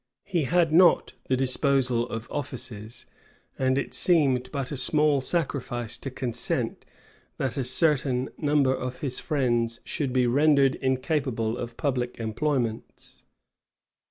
He had not the disposal of offices; and it seemed but a small sacrifice to consent, that a certain number of his friends should be rendered incapable of public employments.